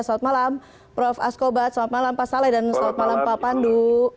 salam malam prof asko bat salam malam pak saleh dan salam malam pak pandu